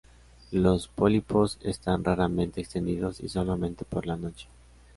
Los pólipos están raramente extendidos, y solamente por la noche.